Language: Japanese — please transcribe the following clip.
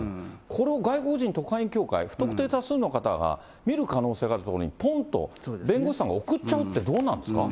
これを外国人特派員協会、不特定多数の方が見る可能性があるところに、ぽんと弁護士さんが送っちゃうって、どうなんですか。